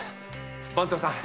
番頭さん